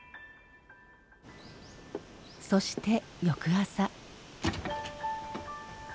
そして翌朝。